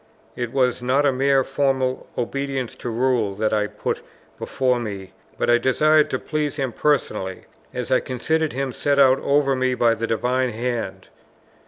It was not a mere formal obedience to rule that I put before me, but I desired to please him personally, as I considered him set over me by the Divine Hand.